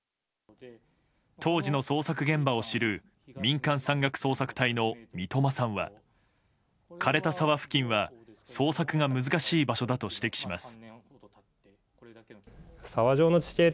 当時の捜索現場を知る民間山岳捜索隊の三笘さんは枯れた沢付近は捜索が難しい場所だと指摘します。